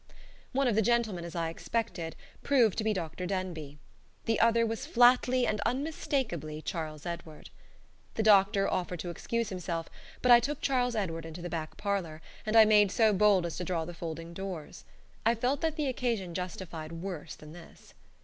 One of the gentlemen, as I expected, proved to be Dr. Denbigh. The other was flatly and unmistakably Charles Edward. The doctor offered to excuse himself, but I took Charles Edward into the back parlor, and I made so bold as to draw the folding doors. I felt that the occasion justified worse than this.